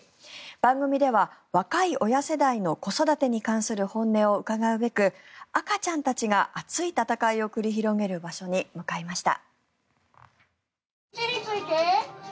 番組では若い親世代の子育てに関する本音を伺うべく赤ちゃんたちが熱い戦いを繰り広げる場所に向かいました。